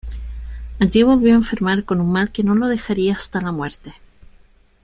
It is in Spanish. Allí volvió a enfermar con un mal que no lo dejaría hasta la muerte.